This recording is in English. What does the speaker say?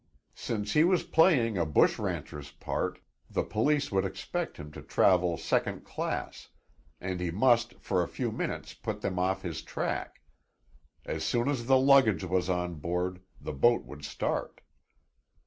Since he was playing a bush rancher's part, the police would expect him to travel second class, and he must for a few minutes put them off his track. As soon as the luggage was on board, the boat would start.